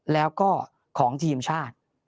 แล้วก็ของทีมชาติ